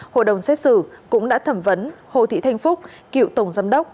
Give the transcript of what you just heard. hội đồng xét xử cũng đã thẩm vấn hồ thị thanh phúc cựu tổng giám đốc